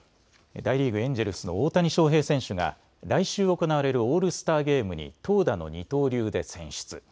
大リーグ、エンジェルスの大谷翔平選手が来週行われるオールスターゲームに投打の二刀流で選出。